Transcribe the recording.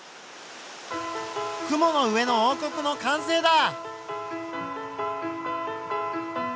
「雲の上の王国」の完成だ！